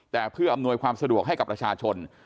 แต่เพื่ออำนวยความสะดวกให้กับประชาชน